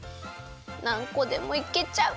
なんこでもいけちゃう！